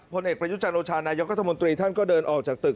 ผลเอกประยุจันทร์โอชานายกรัฐมนตรีท่านก็เดินออกจากตึก